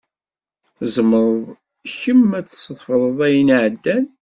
Tzemreḍ kemm ad tsefḍeḍ ayen iɛeddan?